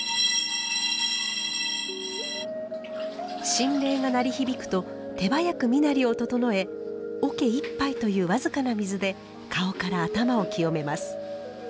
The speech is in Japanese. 振鈴が鳴り響くと手早く身なりを整え桶一杯という僅かな水で顔から頭を清めます。